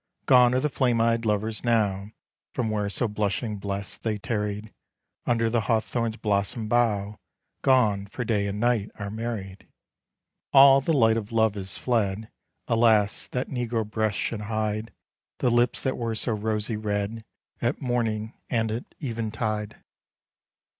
Gone are the flame eyed lovers now From where so blushing blest they tarried Under the hawthorn's blossom bough, Gone; for Day and Night are married. All the light of love is fled: Alas! that negro breasts should hide The lips that were so rosy red, At morning and at even tide!